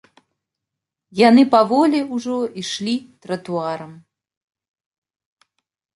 Яны паволі ўжо ішлі тратуарам.